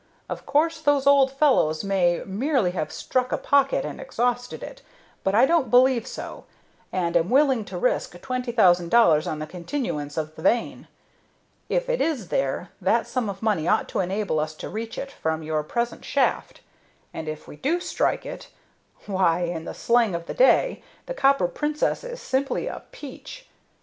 Of course those old fellows may merely have struck a pocket and exhausted it, but I don't believe so, and am willing to risk twenty thousand dollars on the continuance of the vein. If it is there, that sum of money ought to enable us to reach it from your present shaft; and if we do strike it, why, in the slang of the day, the Copper Princess is simply a 'peach.'